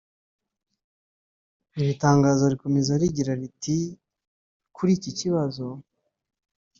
Iri tangazo rikomeza rigira riti “Kuri iki kibazo